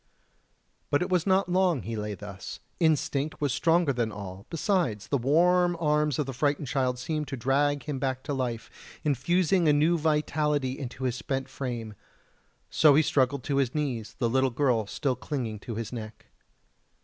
But it was not long that he lay thus instinct was stronger than all; besides, the warm arms of the frightened child seemed to drag him back to life, infusing new vitality into his spent frame; so he struggled to his knees, the little girl still clinging to his neck.